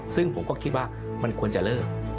ซึ่งผมก็คิดว่ามันควรจะเลิก